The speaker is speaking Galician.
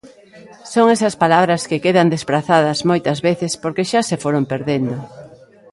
Son esas palabras que quedan desprazadas moitas veces porque xa se foron perdendo.